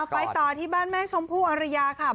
ไปต่อที่บ้านแม่ชมพู่อรยาค่ะ